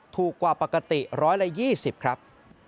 ถูกกว่าปกติ๑๒๐ครับ